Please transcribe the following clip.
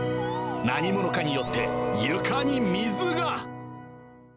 何者かによって、床に水が。